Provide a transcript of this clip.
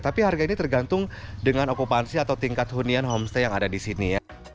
tapi harga ini tergantung dengan okupansi atau tingkat hunian homestay yang ada di sini